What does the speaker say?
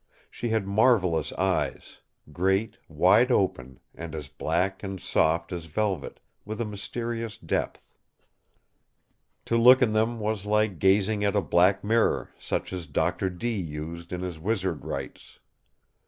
She had marvellous eyes; great, wide open, and as black and soft as velvet, with a mysterious depth. To look in them was like gazing at a black mirror such as Doctor Dee used in his wizard rites.